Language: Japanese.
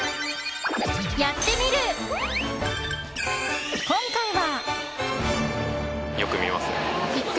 「やってみる。」今回は。